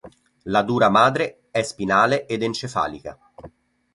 La dura madre è spinale ed encefalica.